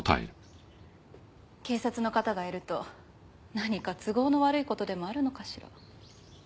警察の方がいると何か都合の悪い事でもあるのかしら？